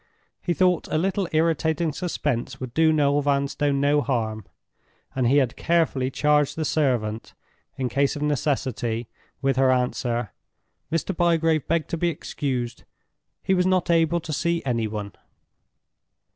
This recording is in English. He thought a little irritating suspense would do Noel Vanstone no harm, and he had carefully charged the servant, in case of necessity, with her answer: "Mr. Bygrave begged to be excused; he was not able to see any one."